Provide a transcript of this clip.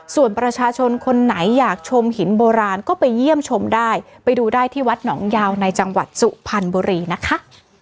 ส่วนประชาชนคนไหนอยากชมหินโบราณก็ไปเยี่ยมชมได้ไปดูได้ที่วัดหนองยาวในจังหวัดสุพรรณบุรีนะคะ